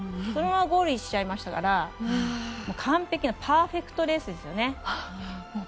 そのままゴールしちゃいましたから完璧なパーフェクトレースですよね。